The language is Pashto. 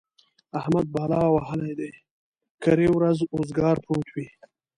احمد بلا وهلی دی؛ کرۍ ورځ اوزګار پروت وي.